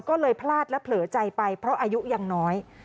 ก็เลยพลาดและเผลอใจไปเพราะอายุยังน้อย